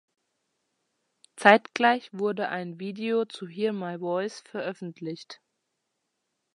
Zeitgleich wurde ein Video zu "Hear My Voice" veröffentlicht.